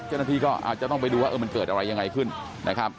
เจ้าหน้าที่ก็อาจจะต้องไปดูว่ามันเกิดอะไรยังไงขึ้นนะครับ